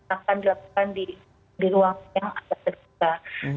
akan dilakukan di ruang yang ada terdekat